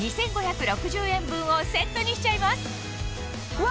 うわ！